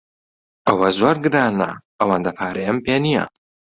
ئەوە زۆر گرانە، ئەوەندە پارەیەم پێ نییە.